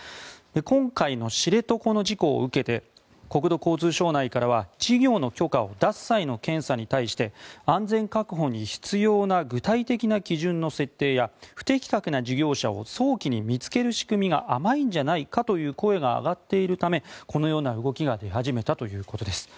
今回の知床の事故を受けて国土交通省内からは事業の許可を出す際の検査に対して安全確保に必要な具体的な基準の設定や不適格な事業者を早期に見つける仕組みが甘いんじゃないかという声が上がっているためこのような動きが出始めたということです。